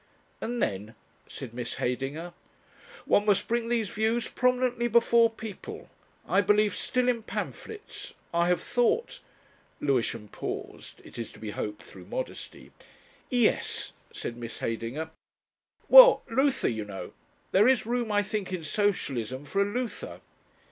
"And then?" said Miss Heydinger. "One must bring these views prominently before people. I believe still in pamphlets. I have thought ..." Lewisham paused, it is to be hoped through modesty. "Yes?" said Miss Heydinger. "Well Luther, you know. There is room, I think, in Socialism, for a Luther."